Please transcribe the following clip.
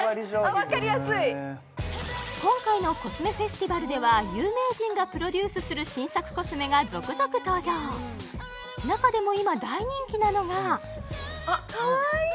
分かりやすい今回のコスメフェスティバルでは有名人がプロデュースする新作コスメが続々登場中でも今大人気なのがカワイイ！